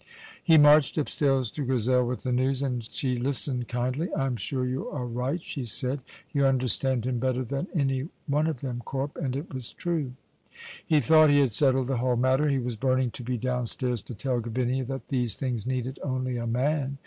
He marched upstairs to Grizel with the news, and she listened kindly. "I am sure you are right," she said; "you understand him better than any of them, Corp," and it was true. He thought he had settled the whole matter. He was burning to be downstairs to tell Gavinia that these things needed only a man.